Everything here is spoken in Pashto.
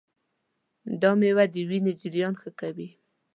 دا مېوه د وینې جریان ښه کوي.